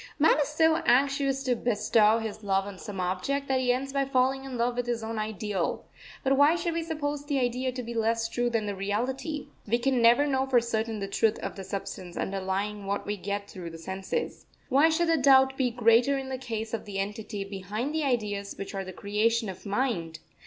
Man is so anxious to bestow his love on some object, that he ends by falling in love with his own Ideal. But why should we suppose the idea to be less true than the reality? We can never know for certain the truth of the substance underlying what we get through the senses. Why should the doubt be greater in the case of the entity behind the ideas which are the creation of mind?